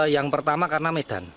yang pertama karena medan